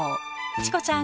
チコちゃん